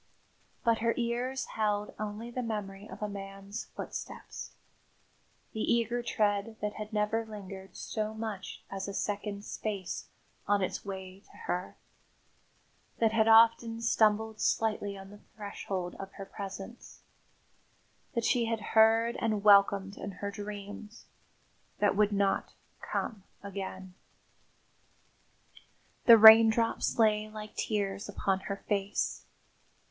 But her ears held only the memory of a man's footsteps the eager tread that had never lingered so much as a second's space on its way to her; that had often stumbled slightly on the threshold of her presence; that she had heard and welcomed in her dreams; that would not come again. The raindrops lay like tears upon her face.